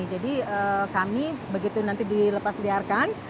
jadi kami begitu nanti dilepasliarkan